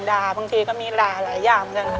ด่าบางทีก็มีหลายอย่าง